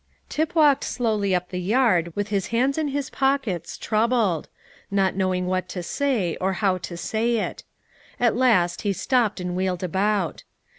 Tip walked slowly up the yard, with his hands in his pockets, troubled, not knowing what to say, or how to say it. At last he stopped and wheeled about.